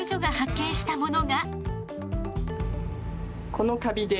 このカビで